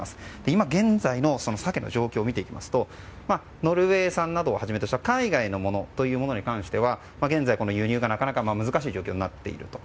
今、現在のサケの状態はノルウェー産などをはじめとした海外のものは現在、輸入がなかなか難しい状況になっていると。